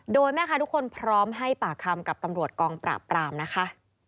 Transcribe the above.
โดยแม่ค้าทุกคนพร้อมให้ปากคำกับตำรวจกองปราบปรามนะคะ